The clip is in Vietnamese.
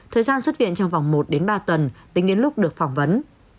thời gian xuất viện trong vòng một đến ba tuần tính đến lúc được phỏng vấn